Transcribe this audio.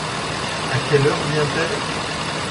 A quelle heure vient-elle ?